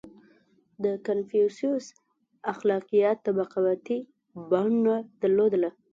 • د کنفوسیوس اخلاقیات طبقاتي بڼه درلوده.